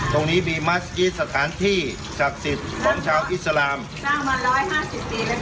ตรงนี้มีมัสกีตสถานที่ศักดิ์สิทธิ์ของชาวอิสลามสร้างมาร้อยห้าสิบปีแล้วค่ะ